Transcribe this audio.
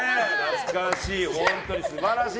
懐かしい。